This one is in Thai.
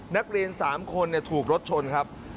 นักเรียน๓คนถูกรถชนครับ